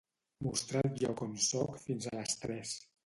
Mostrar el lloc on soc fins a les tres.